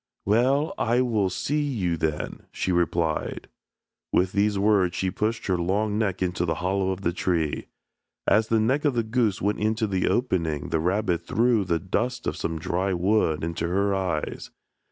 "Well, I will see you then," she replied. With these words she pushed her long neck into the hollow of the tree. As the neck of the goose went into the opening the rabbit threw the dust of some dry wood into her eyes.